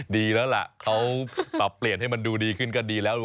ดีแล้วล่ะเขาปรับเปลี่ยนให้มันดูดีขึ้นก็ดีแล้ว